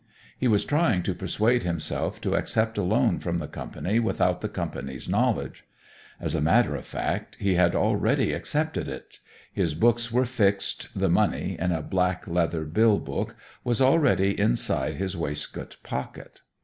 He was trying to persuade himself to accept a loan from the company without the company's knowledge. As a matter of fact, he had already accepted it. His books were fixed, the money, in a black leather bill book, was already inside his waistcoat pocket.